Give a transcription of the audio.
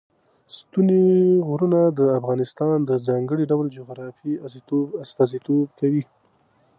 ستوني غرونه د افغانستان د ځانګړي ډول جغرافیه استازیتوب کوي.